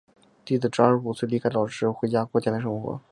弟子至二十五岁离开老师回家过家庭生活。